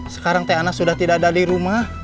sekarang t a a n a sudah tidak ada di rumah